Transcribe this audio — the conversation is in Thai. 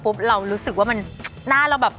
เรารู้สึกว่ามันหน้าเราแบบ